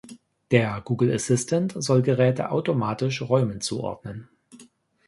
Der Google Assistant soll Geräte automatisch Räumen zuordnen.